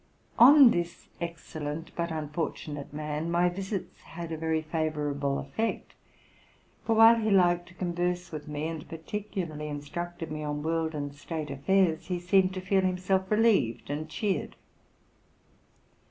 On this excellent but unfortunate man my visits had a very favorable effect; for while he liked to converse with me, and particularly instructed me on world and state affairs, le seemed to feel himself relieved and cheered.